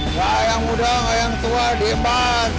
gak yang muda gak yang tua diem banget